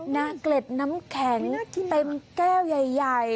เกล็ดน้ำแข็งเต็มแก้วใหญ่